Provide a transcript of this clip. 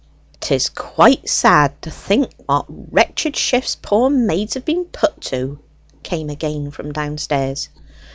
"'Tis quite sad to think what wretched shifts poor maids have been put to," came again from downstairs.